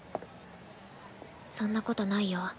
そんなことないよ。